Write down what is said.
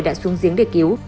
đã xuống giếng để cứu